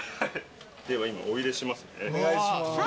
では今お入れします。